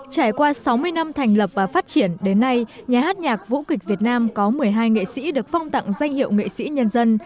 trải qua sáu mươi năm thành lập và phát triển đến nay nhà hát nhạc vũ kịch việt nam có một mươi hai nghệ sĩ được phong tặng danh hiệu nghệ sĩ nhân dân